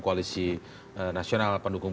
koalisi nasional pendukung